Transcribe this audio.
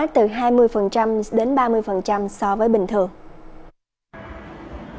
từ hai mươi đến ba mươi so với bình thường